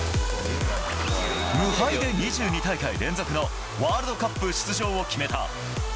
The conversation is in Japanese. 無敗で２２大会連続のワールドカップ出場を決めた。